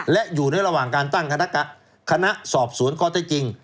และอยู่ในระหว่างการตั้งคณะสอบศูนย์ก็ได้จริง